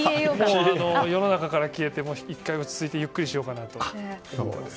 世の中から消えて１回落ち着いてゆっくりしようかなと思ってます。